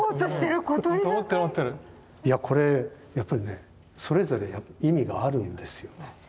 いやこれやっぱりねそれぞれ意味があるんですよね。